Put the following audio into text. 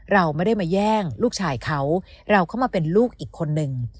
เราไม่ได้มาแย่งลูกชายเขาเราเข้ามาเป็นลูกอีกคนนึง